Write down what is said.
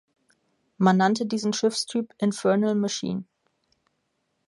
Man nannte diesen Schiffstyp "infernal machine".